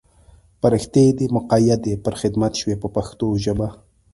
فرښتې دې مقیدې پر خدمت شوې په پښتو ژبه.